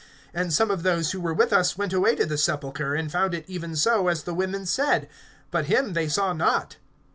(24)And some of those who were with us went away to the sepulchre, and found it even so as the women said; but him they saw not.